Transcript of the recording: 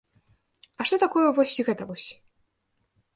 А што такое вось гэта вось?